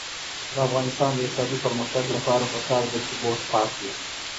د افغانستان د اقتصادي پرمختګ لپاره پکار ده چې بوټ پاک وي.